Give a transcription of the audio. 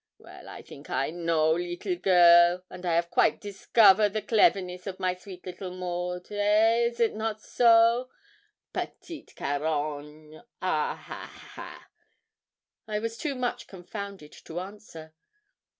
Well, I think I know, little girl, and have quite discover the cleverness of my sweet little Maud. Eh is not so? Petite carogne ah, ha, ha!' I was too much confounded to answer.